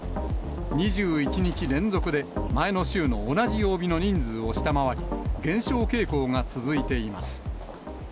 ２１日連続で前の週の同じ曜日の人数を下回り、減少傾向が続いています。